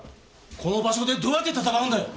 この場所でどうやって戦うんだよ！？